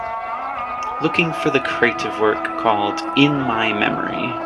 Looking for the crative work called In my memory